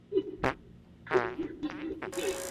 乾隆四十年再度重修。